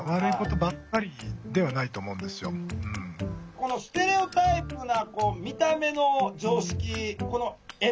このステレオタイプなこう見た目の常識このＭＪですね